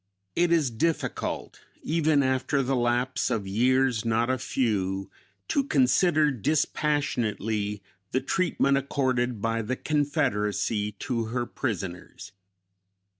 It is difficult, even after the lapse of years not a few, to consider dispassionately the treatment accorded by the Confederacy to her prisoners.